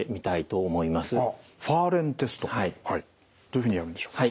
どういうふうにやるんでしょう。